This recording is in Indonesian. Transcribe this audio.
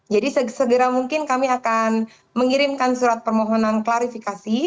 jadi segera mungkin kami akan mengirimkan surat permohonan klarifikasi